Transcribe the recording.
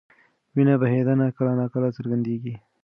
وینه بهېدنه کله ناکله څرګندېږي.